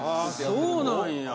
そうなんや。